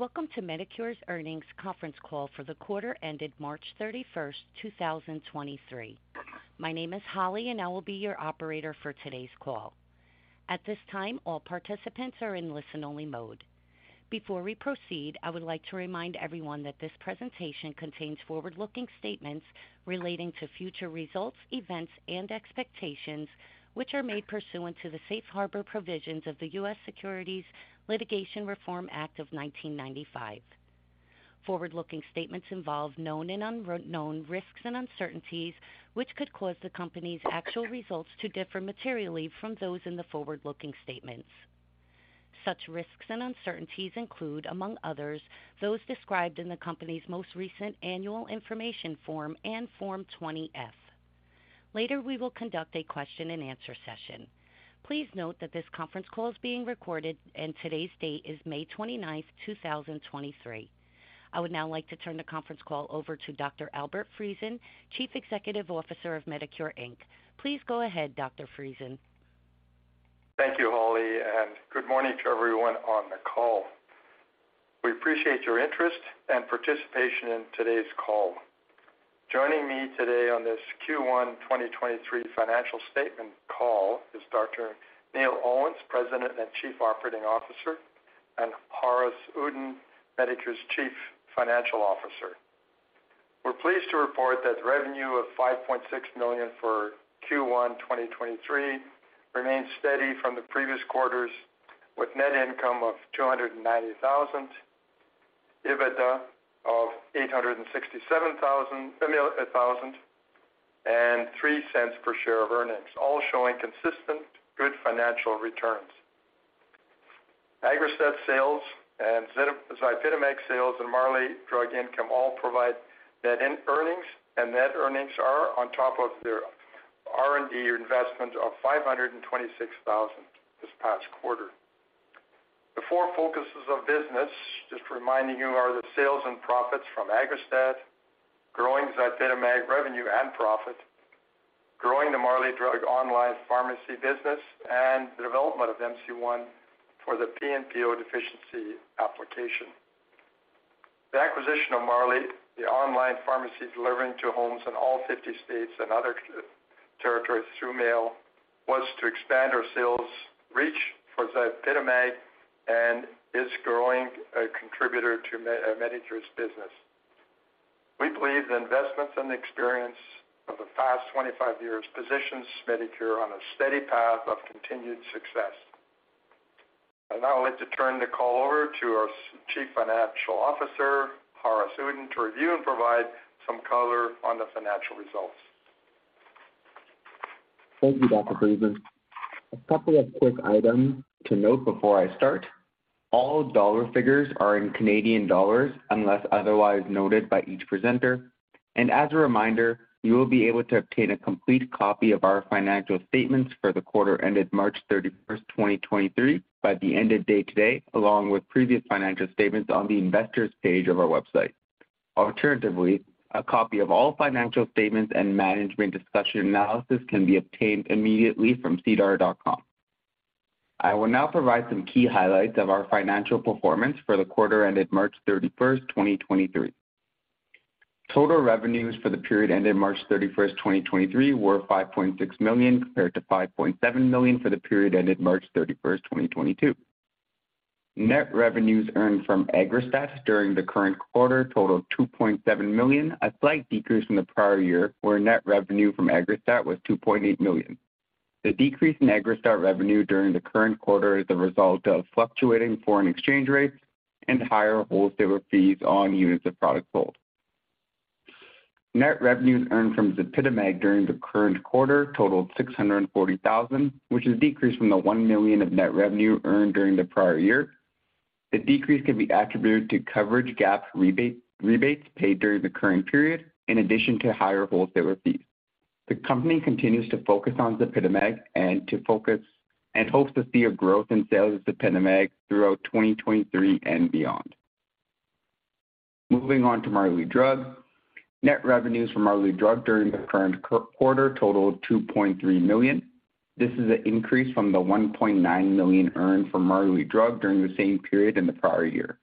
Welcome to Medicure's earnings conference call for the quarter ended March 31, 2023. My name is Holly, and I will be your operator for today's call. At this time, all participants are in listen-only mode. Before we proceed, I would like to remind everyone that this presentation contains forward-looking statements relating to future results, events, and expectations, which are made pursuant to the Safe Harbor provisions of the Private Securities Litigation Reform Act of 1995. Forward-looking statements involve known and unknown risks and uncertainties, which could cause the Company's actual results to differ materially from those in the forward-looking statements. Such risks and uncertainties include, among others, those described in the Company's most recent Annual Information Form and Form 20-F. Later, we will conduct a question-and-answer session. Please note that this conference call is being recorded, and today's date is May 29, 2023. I would now like to turn the conference call over to Dr. Albert Friesen, Chief Executive Officer of Medicure Inc. Please go ahead, Dr. Friesen. Thank you, Holly. Good morning to everyone on the call. We appreciate your interest and participation in today's call. Joining me today on this Q1 2023 financial statement call is Dr. Neil Owens, President and Chief Operating Officer, and Haaris Uddin, Medicure's Chief Financial Officer. We're pleased to report that revenue of 5.6 million for Q1 2023 remains steady from the previous quarters, with net income of 290,000, EBITDA of 867,000, and 0.03 per share of earnings, all showing consistent good financial returns. AGGRASTAT sales and ZYPITAMAG sales, and Marley Drug income all provide net in earnings, and net earnings are on top of their R&D investment of 526,000 this past quarter. The four focuses of business, just reminding you, are the sales and profits from AGGRASTAT, growing ZYPITAMAG revenue and profit, growing the Marley Drug online pharmacy business, and the development of MC-1 for the PNPO deficiency application. The acquisition of Marley, the online pharmacy delivering to homes in all 50 states and other territories through mail, was to expand our sales reach for ZYPITAMAG and is growing a contributor to Medicure's business. We believe the investments and experience of the past 25 years positions Medicure on a steady path of continued success. I'd now like to turn the call over to our Chief Financial Officer, Haaris Uddin, to review and provide some color on the financial results. Thank you, Dr. Friesen. A couple of quick items to note before I start. All dollar figures are in Canadian dollars, unless otherwise noted by each presenter. As a reminder, you will be able to obtain a complete copy of our financial statements for the quarter ended March 31, 2023, by the end of day today, along with previous financial statements on the investors page of our website. Alternatively, a copy of all financial statements and management discussion analysis can be obtained immediately from sedar.com. I will now provide some key highlights of our financial performance for the quarter ended March 31, 2023. Total revenues for the period ended March 31, 2023, were 5.6 million, compared to 5.7 million for the period ended March 31, 2022. Net revenues earned from AGGRASTAT during the current quarter totaled 2.7 million, a slight decrease from the prior year, where net revenue from AGGRASTAT was 2.8 million. The decrease in AGGRASTAT revenue during the current quarter is a result of fluctuating foreign exchange rates and higher wholesale fees on units of product sold. Net revenues earned from ZYPITAMAG during the current quarter totaled 640,000, which is a decrease from the 1 million of net revenue earned during the prior year. The decrease can be attributed to coverage gap rebate, rebates paid during the current period, in addition to higher wholesale fees. The company continues to focus on ZYPITAMAG and hopes to see a growth in sales of ZYPITAMAG throughout 2023 and beyond. Moving on to Marley Drug. Net revenues from Marley Drug during the current quarter totaled 2.3 million. This is an increase from the 1.9 million earned from Marley Drug during the same period in the prior year.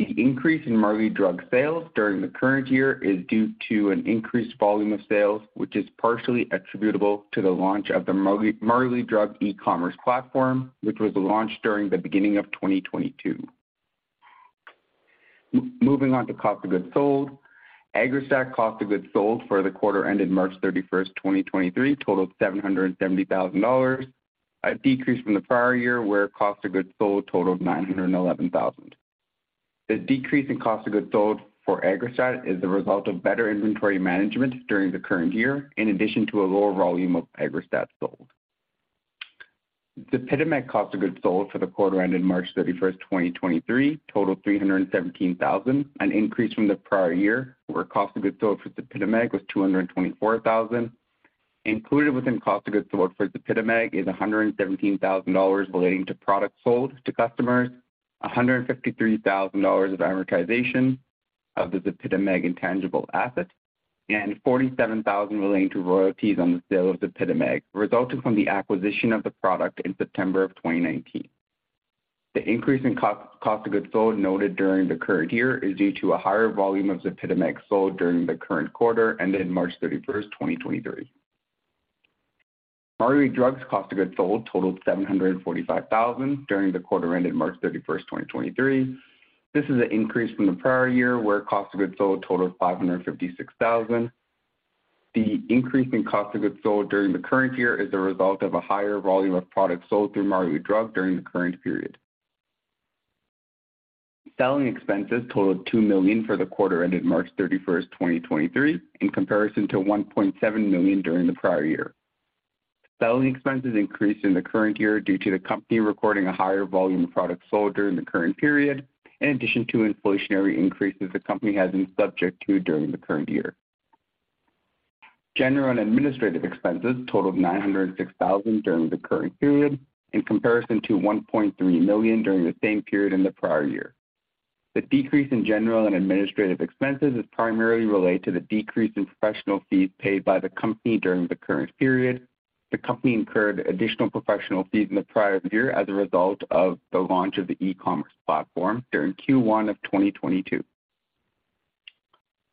The increase in Marley Drug sales during the current year is due to an increased volume of sales, which is partially attributable to the launch of the Marley Drug E-Commerce Platform, which was launched during the beginning of 2022. Moving on to cost of goods sold. AGGRASTAT cost of goods sold for the quarter ended March 31, 2023, totaled 770,000 dollars, a decrease from the prior year, where cost of goods sold totaled 911,000. The decrease in cost of goods sold for AGGRASTAT is the result of better inventory management during the current year, in addition to a lower volume of AGGRASTAT sold. ZYPITAMAG cost of goods sold for the quarter ended March 31, 2023, totaled 317,000, an increase from the prior year, where cost of goods sold for ZYPITAMAG was 224,000. Included within cost of goods sold for ZYPITAMAG is 117,000 dollars relating to products sold to customers, 153,000 dollars of amortization of the ZYPITAMAG intangible assets and 47,000 relating to royalties on the sale of ZYPITAMAG, resulting from the acquisition of the product in September of 2019. The increase in cost of goods sold noted during the current year is due to a higher volume of ZYPITAMAG sold during the current quarter, ended March 31, 2023. Marley Drug's cost of goods sold totaled 745,000 during the quarter ended March 31, 2023. This is an increase from the prior year, where cost of goods sold totaled 556,000. The increase in cost of goods sold during the current year is a result of a higher volume of products sold through Marley Drug during the current period. Selling expenses totaled 2 million for the quarter ended March 31, 2023, in comparison to 1.7 million during the prior year. Selling expenses increased in the current year due to the company recording a higher volume of products sold during the current period, in addition to inflationary increases the company has been subject to during the current year. General and administrative expenses totaled 906,000 during the current period, in comparison to 1.3 million during the same period in the prior year. The decrease in general and administrative expenses is primarily related to the decrease in professional fees paid by the company during the current period. The company incurred additional professional fees in the prior year as a result of the launch of the e-commerce platform during Q1 of 2022.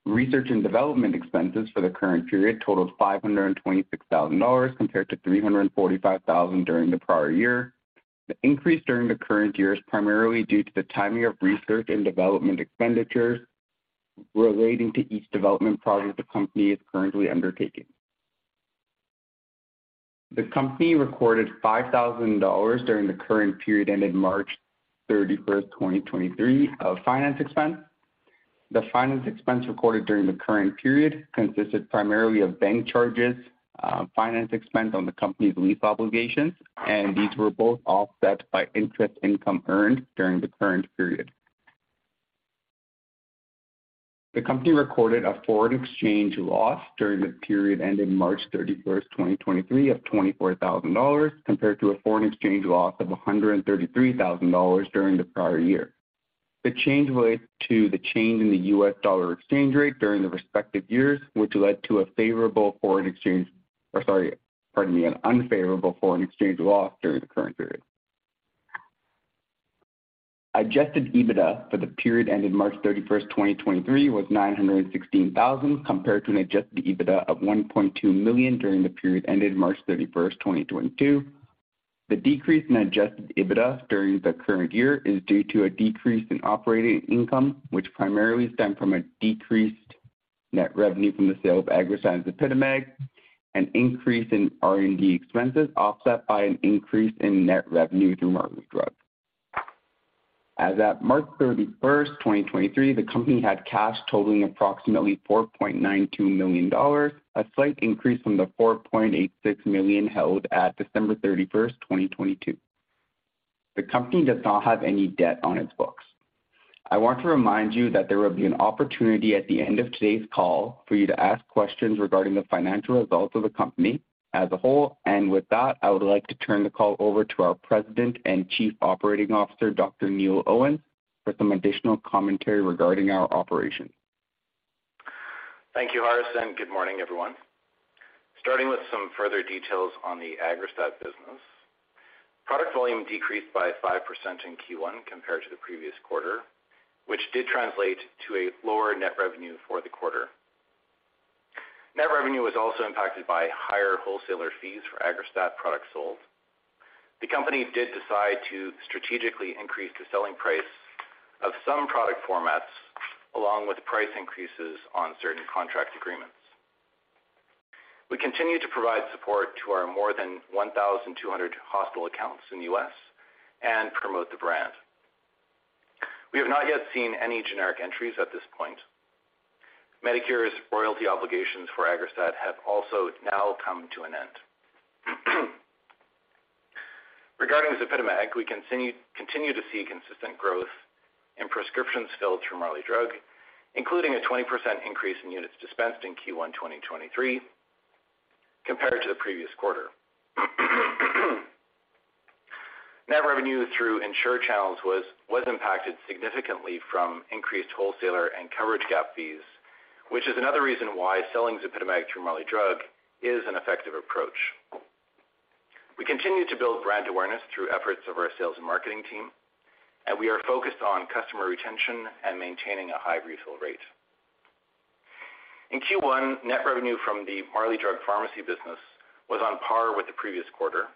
Research and development expenses for the current period totaled 526,000 dollars, compared to 345,000 during the prior year. The increase during the current year is primarily due to the timing of research and development expenditures relating to each development project the company is currently undertaking. The company recorded 5,000 dollars during the current period ended March 31, 2023, of finance expense. The finance expense recorded during the current period consisted primarily of bank charges, finance expense on the company's lease obligations. These were both offset by interest income earned during the current period. The company recorded a foreign exchange loss during the period ending March 31, 2023, of 24,000 dollars, compared to a foreign exchange loss of 133,000 dollars during the prior year. The change was to the change in the U.S. dollar exchange rate during the respective years, which led to an unfavorable foreign exchange loss during the current period. Adjusted EBITDA for the period ended March 31, 2023, was 916,000, compared to an Adjusted EBITDA of 1.2 million during the period ended March 31, 2022. The decrease in Adjusted EBITDA during the current year is due to a decrease in operating income, which primarily stemmed from a decreased net revenue from the sale of AGGRASTAT and ZYPITAMAG, an increase in R&D expenses, offset by an increase in net revenue through Marley Drug. As at March 31, 2023, the company had cash totaling approximately 4.92 million dollars, a slight increase from the 4.86 million held at December 31, 2022. The company does not have any debt on its books. I want to remind you that there will be an opportunity at the end of today's call for you to ask questions regarding the financial results of the company as a whole. With that, I would like to turn the call over to our President and Chief Operating Officer, Dr. Neil Owens, for some additional commentary regarding our operations. Thank you, Holly. Good morning, everyone. Starting with some further details on the AGGRASTAT business. Product volume decreased by 5% in Q1 compared to the previous quarter, which did translate to a lower net revenue for the quarter. Net revenue was also impacted by higher wholesaler fees for AGGRASTAT products sold. The company did decide to strategically increase the selling price of some product formats, along with price increases on certain contract agreements. We continue to provide support to our more than 1,200 hospital accounts in the U.S. and promote the brand. We have not yet seen any generic entries at this point. Medicure's royalty obligations for AGGRASTAT have also now come to an end. Regarding ZYPITAMAG, we continue to see consistent growth in prescriptions filled from Marley Drug, including a 20% increase in units dispensed in Q1 2023, compared to the previous quarter. Net revenue through insurer channels was impacted significantly from increased wholesaler and coverage gap fees, which is another reason why selling ZYPITAMAG through Marley Drug is an effective approach. We continue to build brand awareness through efforts of our sales and marketing team. We are focused on customer retention and maintaining a high refill rate. In Q1, net revenue from the Marley Drug pharmacy business was on par with the previous quarter.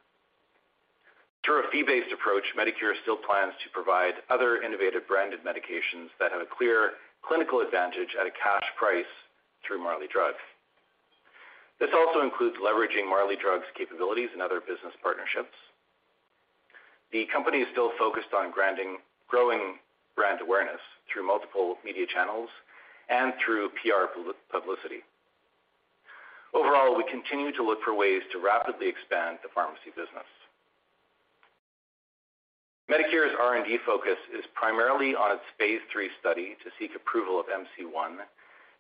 Through a fee-based approach, Medicure still plans to provide other innovative branded medications that have a clear clinical advantage at a cash price through Marley Drug. This also includes leveraging Marley Drug's capabilities and other business partnerships. The company is still focused on growing brand awareness through multiple media channels and through PR publicity. Overall, we continue to look for ways to rapidly expand the pharmacy business. Medicure's R&D focus is primarily on its phase 3 study to seek approval of MC-1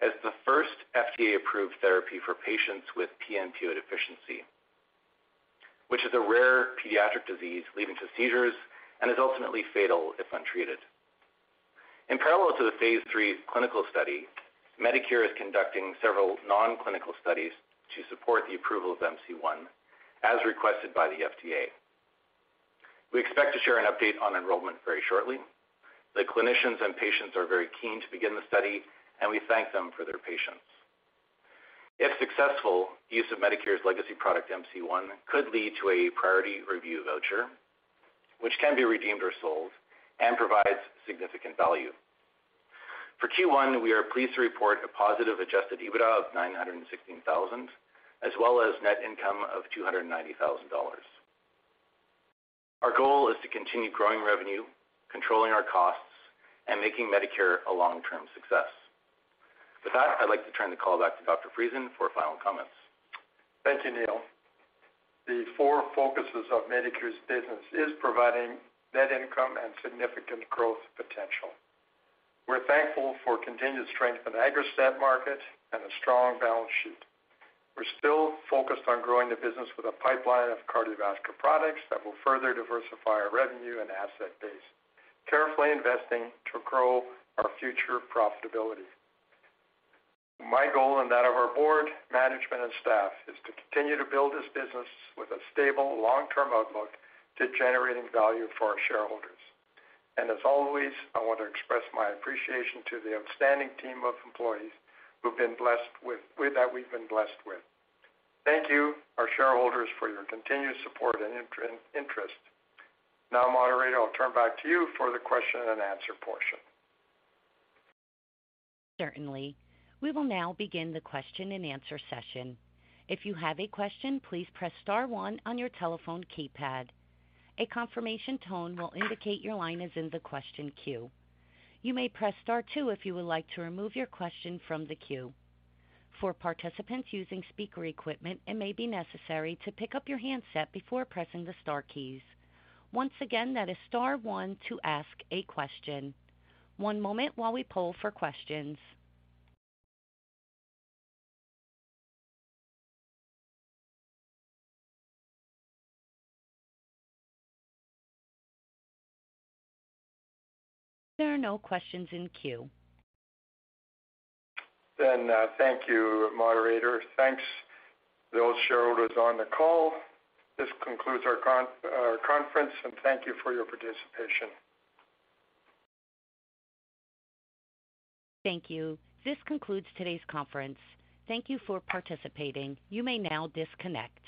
as the first FDA-approved therapy for patients with PNPO deficiency, which is a rare pediatric disease leading to seizures and is ultimately fatal if untreated. In parallel to the Phase 3 clinical study, Medicure is conducting several non-clinical studies to support the approval of MC-1, as requested by the FDA. We expect to share an update on enrollment very shortly. The clinicians and patients are very keen to begin the study. We thank them for their patience. If successful, use of Medicure's legacy product, MC-1, could lead to a priority review voucher, which can be redeemed or sold and provides significant value. For Q1, we are pleased to report a positive Adjusted EBITDA of 916,000, as well as net income of 290,000 dollars. Our goal is to continue growing revenue, controlling our costs, and making Medicure a long-term success. With that, I'd like to turn the call back to Dr. Friesen for final comments. Thank you, Neil. The four focuses of Medicure's business is providing net income and significant growth potential. We're thankful for continued strength in the AGGRASTAT market and a strong balance sheet. We're still focused on growing the business with a pipeline of cardiovascular products that will further diversify our revenue and asset base, carefully investing to grow our future profitability. My goal, and that of our board, management, and staff, is to continue to build this business with a stable, long-term outlook to generating value for our shareholders. As always, I want to express my appreciation to the outstanding team of employees that we've been blessed with. Thank you, our shareholders, for your continued support and interest. Now, Moderator, I'll turn back to you for the question and answer portion. Certainly. We will now begin the question-and-answer session. If you have a question, please press star one on your telephone keypad. A confirmation tone will indicate your line is in the question queue. You may press star two if you would like to remove your question from the queue. For participants using speaker equipment, it may be necessary to pick up your handset before pressing the star keys. Once again, that is star one to ask a question. One moment while we poll for questions. There are no questions in queue. Thank you, Moderator. Thanks, those shareholders on the call. This concludes our conference, and thank you for your participation. Thank you. This concludes today's conference. Thank you for participating. You may now disconnect.